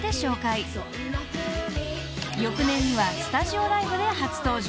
［翌年にはスタジオライブで初登場。